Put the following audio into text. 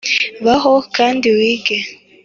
baho kandi wige